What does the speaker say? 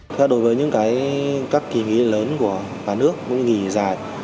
trong các kỳ nghỉ lớn của bản nước cũng như nghỉ dài